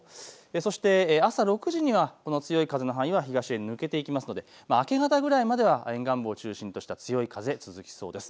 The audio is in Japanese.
そして朝６時には強い風の範囲が東に抜けていきますので明け方くらいまでは沿岸部を中心とした強い風、続きそうです。